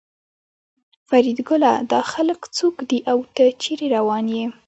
فریدګله دا خلک څوک دي او ته چېرې روان یې